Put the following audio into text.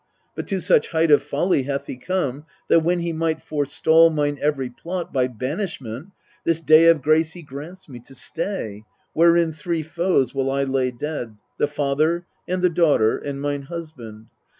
But to such height of folly hath he come, That, when he might forestall mine every plot By banishment, this day of grace he grants me To stay, wherein three foes will I lay dead, The father, and the daughter, and mine husband.